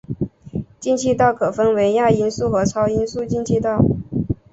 进气道可分为亚音速和超音速进气道。